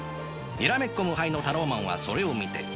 にらめっこ無敗のタローマンはそれを見て。